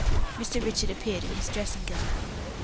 Mr. Richard appeared in his dressing gown.